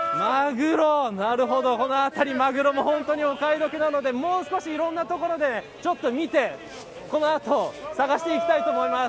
この辺り、マグロも本当にお買い得なのでもう少しいろんな所で見て、この後探していきたいと思います。